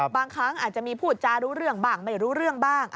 บางครั้งอาจจะมีพูดจารู้เรื่องบ้างไม่รู้เรื่องบ้าง